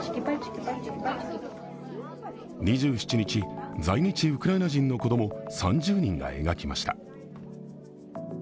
２７日、在日ウクライナ人の子供３０人が描きました。